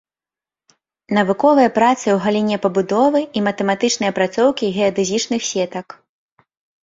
Навуковыя працы ў галіне пабудовы і матэматычнай апрацоўкі геадэзічных сетак.